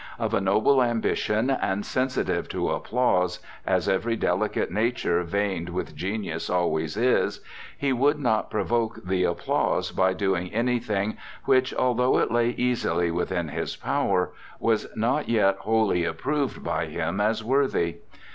Of a noble ambition, and sensitive to applause, as every delicate nature veined with genius always is, he would not provoke the applause by doing anything which, although it lay easily within his power, was yet not wholly approved by him as worthy.